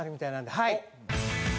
「はい。